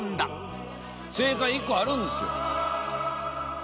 正解１個あるんですよ。